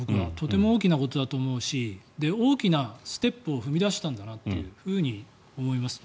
とても大きなことだと思うし大きなステップを踏み出したんだなというふうに思います。